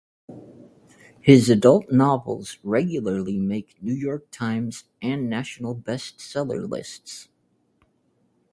His adult novels regularly make New York Times and national bestseller lists.